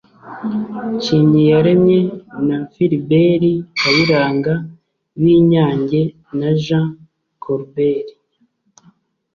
nshimyiyaremye na philbert kayiranga b’i nyange, na pjean colbert